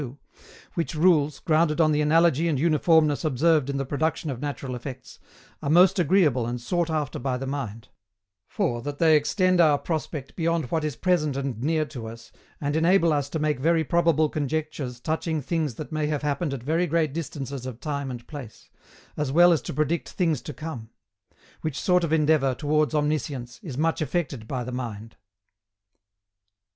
62, which rules, grounded on the analogy and uniformness observed in the production of natural effects, are most agreeable and sought after by the mind; for that they extend our prospect beyond what is present and near to us, and enable us to make very probable conjectures touching things that may have happened at very great distances of time and place, as well as to predict things to come; which sort of endeavour towards omniscience is much affected by the mind.